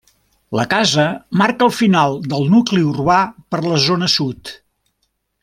La casa marca el final del nucli urbà per la zona sud.